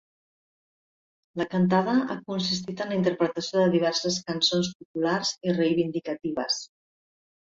La cantada ha consistit en la interpretació de diverses cançons populars i reivindicatives.